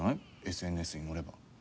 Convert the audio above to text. ＳＮＳに載れば。